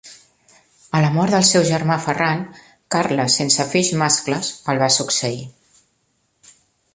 A la mort del seu germà Ferran Carles sense fills mascles, el va succeir.